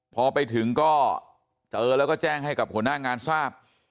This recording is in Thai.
พอไปถึงก็เจอแล้วก็แจ้งให้กับหัวหน้างานทราบ